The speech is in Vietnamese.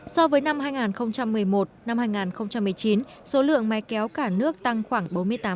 so với năm hai nghìn một mươi một năm hai nghìn một mươi chín số lượng máy kéo cả nước tăng khoảng bốn mươi tám